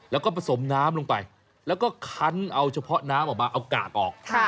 แล้วก็ผสมน้ำลงไปแล้วก็คันเอาเฉพาะน้ำออกมาเอากากออก